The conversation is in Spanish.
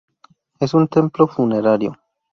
Es un templo funerario.